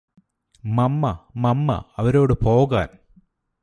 മമ്മ മമ്മ അവരോട് പോകാന്